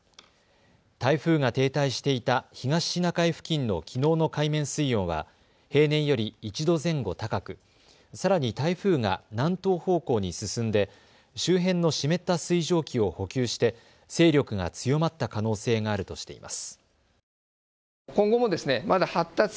台風が停滞していた東シナ海付近のきのうの海面水温は平年より１度前後高くさらに台風が南東方向に進んで周辺の湿った水蒸気を補給して勢力が強まった可能性があるとしています。